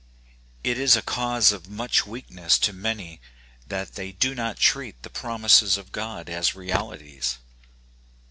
It is a cause of much weakness to many that they do not treat the promises oi God as realities.